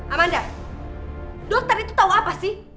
amanda dokter itu tahu apa sih